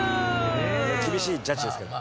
厳しいジャッジですけど。